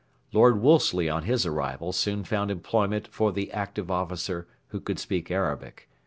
Lord Wolseley on his arrival soon found employment for the active officer who could speak Arabic.